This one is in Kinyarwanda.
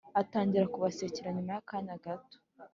atangira kubasekera gusa nyuma y’akanya gato